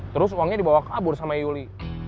terus uangnya dibawa kabur sama yuli